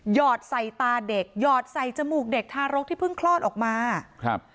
อดใส่ตาเด็กหยอดใส่จมูกเด็กทารกที่เพิ่งคลอดออกมาครับ